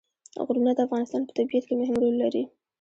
غرونه د افغانستان په طبیعت کې مهم رول لري.